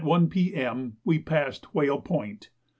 we passed Whale Point.